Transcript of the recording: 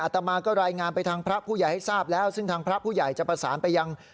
ตมาก็รายงานไปทางพระผู้ใหญ่ให้ทราบแล้วซึ่งทางพระผู้ใหญ่จะประสานไปยัง